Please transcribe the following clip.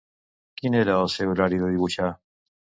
Quin era el seu horari de dibuixar?